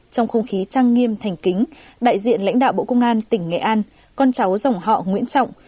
trong không khí trăng nghiêm thành kính đại diện lãnh đạo bộ công an tỉnh nghệ an con cháu dòng họ nguyễn trọng